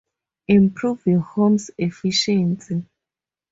Improve your home's efficiency.